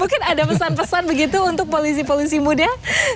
mungkin ada pesan pesan begitu untuk polisi polisi muda